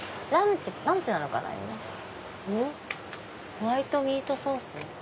「ホワイトミートソース」？